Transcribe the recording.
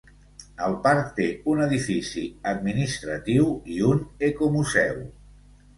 El parc té un edifici administratiu i un ecomuseu.